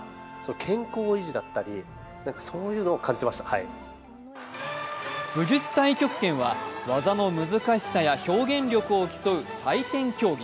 そこで武術太極拳は、技の難しさや表現力を競う採点競技。